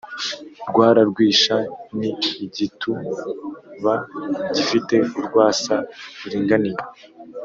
rwararwisha : n i igitu ba g i fite urwasa ruringaniye